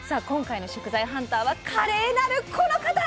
今回の食材ハンターは華麗なるこの方！